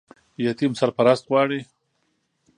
یتیم سرپرست غواړي